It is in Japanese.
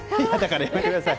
やめてください。